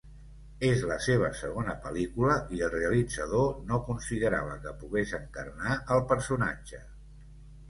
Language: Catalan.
És la seva segona pel·lícula i el realitzador no considerava que pogués encarnar el personatge.